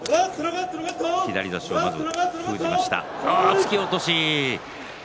突き落とし。